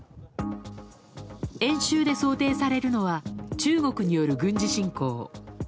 演習で想定されるのは中国による軍事侵攻。